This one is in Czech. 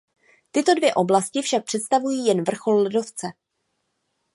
Tyto dvě oblasti však představují jen vrchol ledovce.